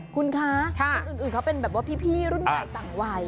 คุณคะคนอื่นเขาเป็นแบบว่าพี่รุ่นใหม่ต่างวัย